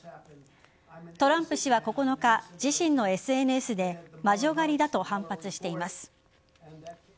トランプ氏は９日、自身のＳＮＳで魔女狩りだと反発しています。